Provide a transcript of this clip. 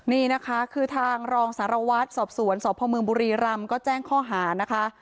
นี่นะคะคือทางรองสารวัตรสอบสวนสพมบุรีรำก็แจ้งข้อหานะคะ